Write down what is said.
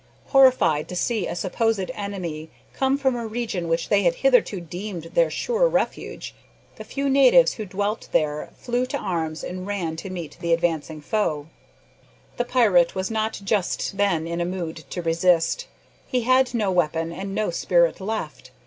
Horrified to see a supposed enemy come from a region which they had hitherto deemed their sure refuge, the few natives who dwelt there flew to arms, and ran to meet the advancing foe. The pirate was not just then in a mood to resist. He had no weapon, and no spirit left.